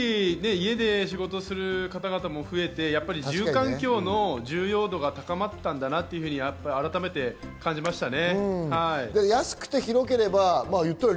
家で仕事をする方々も増えて、住環境の重要度が高まったんだなと改めて感じましたね。